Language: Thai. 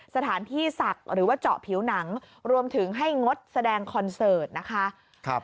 สถานที่ศักดิ์หรือว่าเจาะผิวหนังรวมถึงให้งดแสดงคอนเสิร์ตนะคะ